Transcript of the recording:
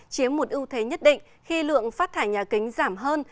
chiếm một ưu thế nhất định khi lượng phát thải nhà kính giảm hơn